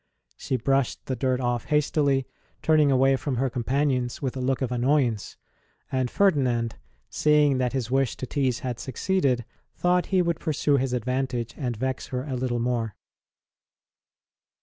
She brushed the dirt off hastily, turn ing away from her companions with a look of annoyance ; and Ferdinand, seeing that his \vish to tease had succeeded, thought he would pursue his advantage and vex her a little more.